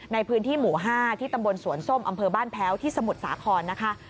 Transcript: ในพื้นที่หมู่๕ที่ตำบลสวนส้มอำเภอบ้านแพ้วที่สมุทรสาครนะคะ